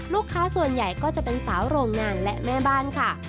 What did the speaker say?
ส่วนใหญ่ก็จะเป็นสาวโรงงานและแม่บ้านค่ะ